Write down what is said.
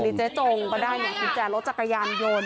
อันนี้เจ๊จงมาได้อย่างคุณแจรถรถจักรยานยนต์